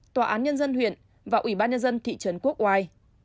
tòa án nhân dân huyện và ủy ban nhân dân thị trấn quốc oai